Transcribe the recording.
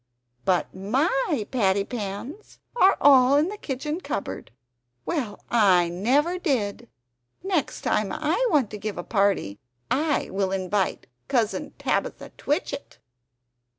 ... But MY patty pans are all in the kitchen cupboard. Well I never did! ... Next time I want to give a party I will invite Cousin Tabitha Twitchit!"